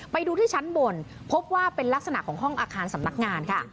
ไปดูที่ชั้นบนพบว่าเป็นลักษณะของห้องอาคารสำนักงานค่ะ